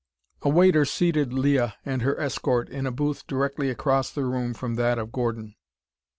A waiter seated Leah and her escort in a booth directly across the room from that of Gordon.